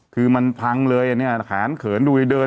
คือมันพังเลยอ่ะเนี่ยแขนเขินดูเดิน